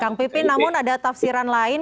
kang pipin namun ada tafsiran lain